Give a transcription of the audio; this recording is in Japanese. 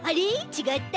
ちがった。